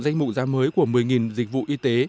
danh mụ giá mới của một mươi dịch vụ y tế